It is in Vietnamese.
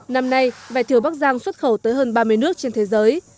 năm nay vải thiều bắc giang xuất khẩu tới hơn ba mươi nước trên thế giới